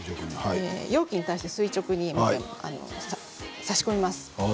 容器に対して垂直に差し込みます。